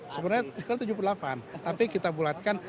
sebenarnya sekarang tujuh puluh delapan tapi kita bulatkan